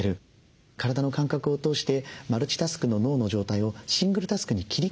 体の感覚を通してマルチタスクの脳の状態をシングルタスクに切り替える。